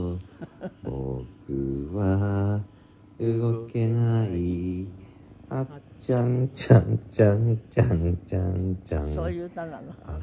「僕は動けない」「あっちゃんちゃんちゃんちゃんちゃんちゃん」そういう歌なの？